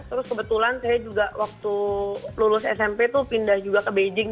terus kebetulan saya juga waktu lulus smp itu pindah juga ke beijing